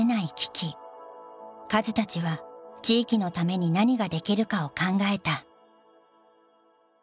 カズたちは地域のために何ができるかを考えた。